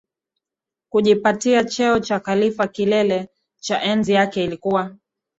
kujipatia cheo cha khalifa Kilele cha enzi yake ilikuwa